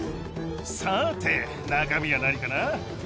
さあて、中身は何かな？